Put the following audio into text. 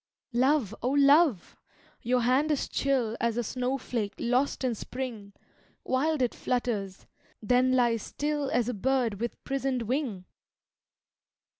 "Love, O Love! your hand is chill As a snowflake lost in spring, Wild it flutters then lies still As a bird with prisoned wing!"